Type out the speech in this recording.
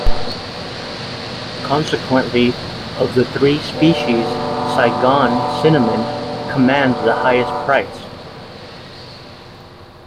Consequently, of the three species, Saigon cinnamon commands the highest price.